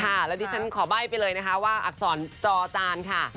แล้วดิฉันขอใบ้ไปเลยนะคะว่าอักษรจอจานค่ะ